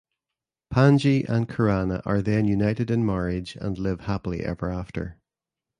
Panji and Kirana are then united in marriage and live happily ever after.